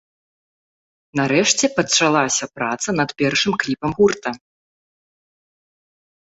Нарэшце, пачалася праца над першым кліпам гурта.